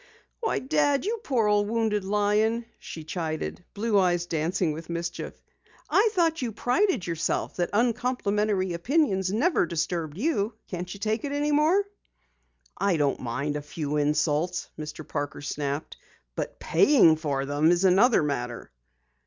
"Why, Dad, you poor old wounded lion!" she chided, blue eyes dancing with mischief. "I thought you prided yourself that uncomplimentary opinions never disturbed you. Can't you take it any more?" "I don't mind a few insults," Mr. Parker snapped, "but paying for them is another matter."